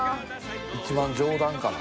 一番上段かな？